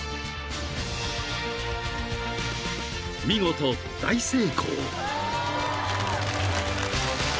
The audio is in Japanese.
［見事大成功！］